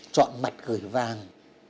chọn mặt gửi vàng